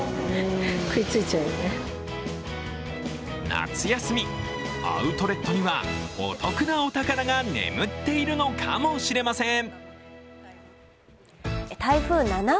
夏休み、アウトレットにはお得なお宝が眠っているのかもしれません。